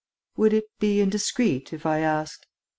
"Would it be indiscreet, if I asked